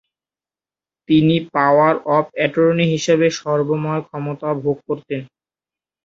তিনি power of attorney হিসেবে সর্বময় ক্ষমতা ভোগ করতেন।